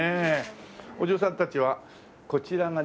お嬢さんたちはこちらが１９